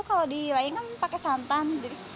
kalau di layang kan pakai santan